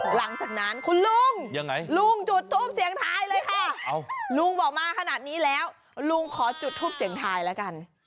หลังจากนั้นคุณลุงลุงจุดทูปเสียงทายเลยค่ะลุงบอกมาขนาดนี้แล้วลุงขอจุดทูปเสียงทายแล้วกัน